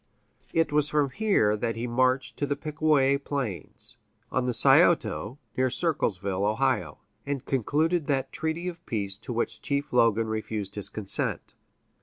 It was from here that he marched to the Pickaway Plains, on the Scioto (near Circleville, O.), and concluded that treaty of peace to which Chief Logan refused his consent.